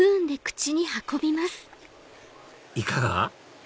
いかが？